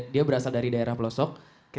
dia berasal dari daerah pelosok